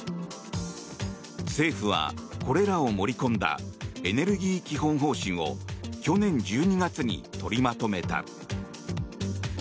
政府は、これらを盛り込んだエネルギー基本方針を去年１２月に取りまとめた。